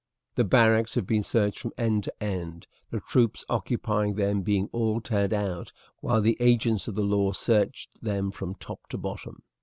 The barracks have been searched from end to end, the troops occupying them being all turned out while the agents of the law searched them from top to bottom.